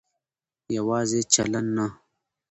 يواځې چلن نه